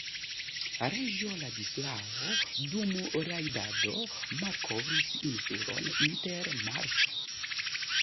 Reĝo Ladislao dum rajdado malkovris insulon inter marĉo.